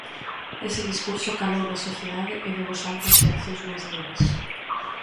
Ese discurso calou na sociedade e deu o salto ás xeracións máis novas.